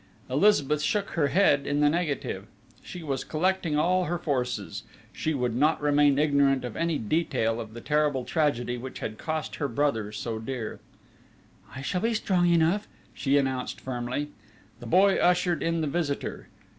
Elizabeth shook her head in the negative. She was collecting all her forces: she would not remain ignorant of any detail of the terrible tragedy which had cost her brother so dear: "I shall be strong enough," she announced firmly. The boy ushered in the visitor.